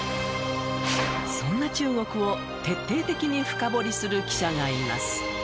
そんな中国を徹底的にフカボリする記者がいます